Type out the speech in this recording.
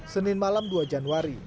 senin malam dua januari